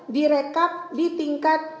direkap di tingkat